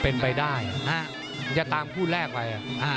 เป็นไปได้อย่าตามคู่แรกไว้